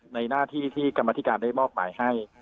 หน้าที่ที่กรรมธิการได้มอบหมายให้